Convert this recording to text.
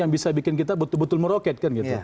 yang bisa bikin kita betul betul meroketkan gitu